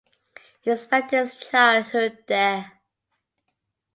He spent his childhood there.